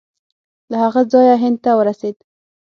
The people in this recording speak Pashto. له هغه ځایه هند ته ورسېد.